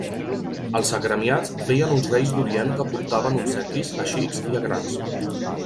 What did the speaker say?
Els agremiats feien uns Reis d'Orient que portaven obsequis a xics i a grans.